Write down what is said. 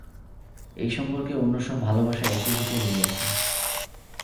এই সম্পর্কে অন্য সব ভালবাসা একীভূত হইয়াছে।